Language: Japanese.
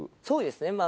そうですね。